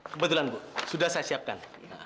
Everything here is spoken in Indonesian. kebetulan bu sudah saya siapkan